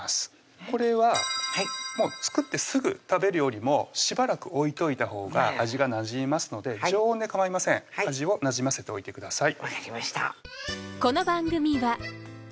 これはもう作ってすぐ食べるよりもしばらく置いといたほうが味がなじみますので常温でかまいません味をなじませておいてください